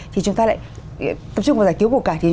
thì chúng ta lại tập trung vào giải cứu củ cải